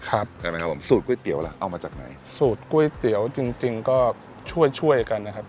ใช่ไหมครับผมสูตรก๋วยเตี๋ยวล่ะเอามาจากไหนสูตรก๋วยเตี๋ยวจริงจริงก็ช่วยช่วยกันนะครับ